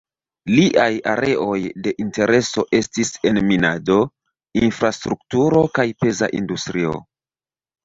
Liaj areoj de intereso estis en minado, infrastrukturo kaj peza industrio.